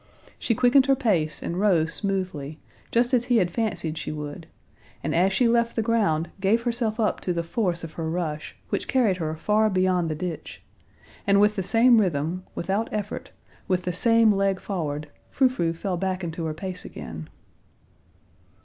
She quickened her pace and rose smoothly, just as he had fancied she would, and as she left the ground gave herself up to the force of her rush, which carried her far beyond the ditch; and with the same rhythm, without effort, with the same leg forward, Frou Frou fell back into her pace again.